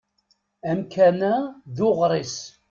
Amkan-a d uɣris.